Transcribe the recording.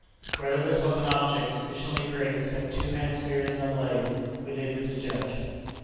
Whether this was an object sufficiently great to set two hemispheres in a blaze, we leave him to judge.